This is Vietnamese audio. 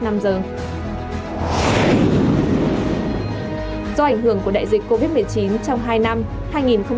do ảnh hưởng của đại dịch covid một mươi chín trong hai năm hai nghìn hai mươi một hai nghìn hai mươi hai